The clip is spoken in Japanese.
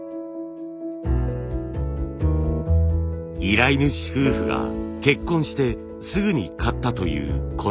依頼主夫婦が結婚してすぐに買ったというこの椅子。